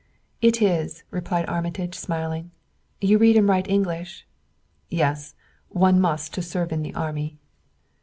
"It is," replied Armitage, smiling. "You read and write English?" "Yes; one must, to serve in the army."